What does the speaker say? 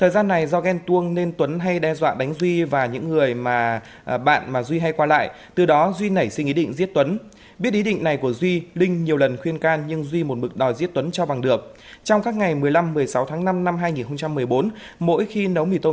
xin chào và hẹn gặp lại trong các video tiếp theo